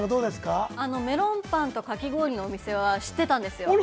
メロンパンとかき氷のお店は知ってたんですよ。